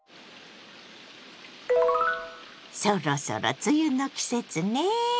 そろそろ梅雨の季節ね。